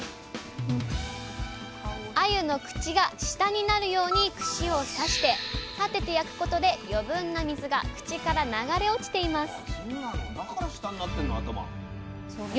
あゆの口が下になるように串を刺して立てて焼くことで余分な水が口から流れ落ちています